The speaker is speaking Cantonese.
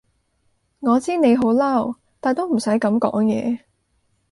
我知你好嬲，但都唔使噉講嘢